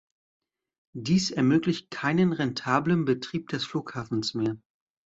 Dies ermöglicht keinen rentablen Betrieb des Flughafens mehr.